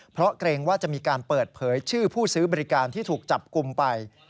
เพราะเกรงว่าจะมีการเปิดเผยชื่อผู้ซื้อบริการที่ถูกจับกลุ่มไป